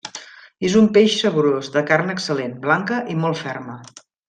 És un peix saborós, de carn excel·lent, blanca i molt ferma.